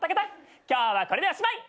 今日はこれでおしまい。